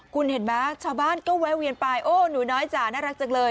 คุณเห็นไหมชาวบ้านก็แวะเวียนไปโอ้หนูน้อยจ๋าน่ารักจังเลย